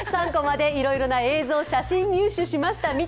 「３コマ」でいろいろな映像写真を入手しました。